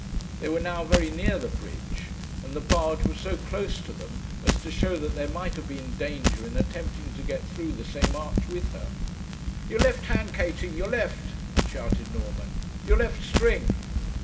They were now very near the bridge, and the barge was so close to them as to show that there might have been danger in attempting to get through the same arch with her. 'Your left hand, Katie, your left,' shouted Norman; 'your left string.'